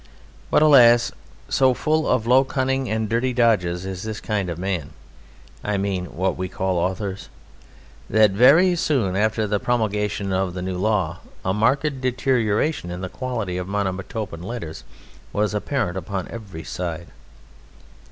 But, alas! so full of low cunning and dirty dodges is this kind of man (I mean what we call authors) that very soon after the promulgation of the new law a marked deterioration in the quality of Monomotopan letters was apparent upon every side!